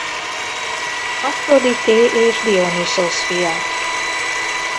Aphrodité és Dionüszosz fia.